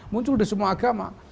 muncul di semua agama